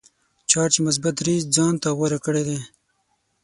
چارج یې مثبت درې ځانته غوره کړی دی.